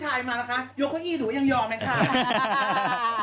จากกระแสของละครกรุเปสันนิวาสนะฮะ